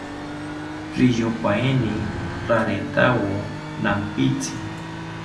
Riyompaeni raretawo nampitzi